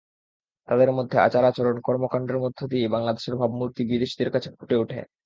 তাদের আচার-আচরণ, কর্মকাণ্ডের মধ্য দিয়েই বাংলাদেশের ভাবমূর্তি বিদেশিদের কাছে ফুটে ওঠে।